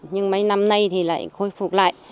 nhưng mấy năm nay thì lại khôi phục lại